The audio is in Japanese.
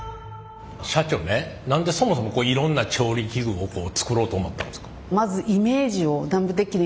社長ね何でそもそもいろんな調理器具を作ろうと思ったんですか？